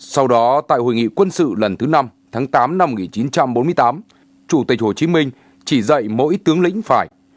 sau đó tại hội nghị quân sự lần thứ năm tháng tám năm một nghìn chín trăm bốn mươi tám chủ tịch hồ chí minh chỉ dạy mỗi tướng lĩnh phải